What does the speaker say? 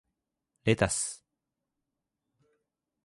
レタス